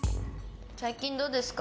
最近どうですか？